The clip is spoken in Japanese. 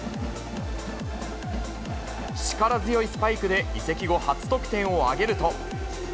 力強いスパイクで、移籍後初得点を挙げると。